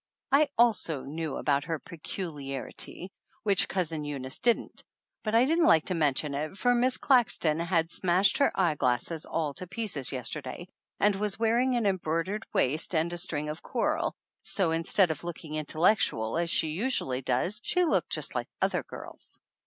7 also knew about her peculiarity, which Cousin Eunice didn't ; but I didn't like to men tion it, for Miss Claxton had smashed her eye glasses all to pieces yesterday and was wearing 202 THE ANNALS OF ANN an embroidered waist and a string of coral, so instead of looking intellectual, as she usually does, she looked just like other girls.